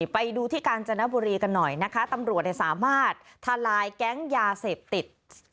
ไปดูที่กาญจนบุรีกันหน่อยนะคะตำรวจสามารถทลายแก๊งยาเสพติด